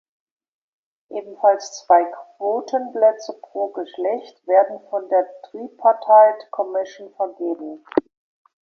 Ebenfalls zwei Quotenplätze pro Geschlecht werden von der „"Tripartite Commission"“ vergeben.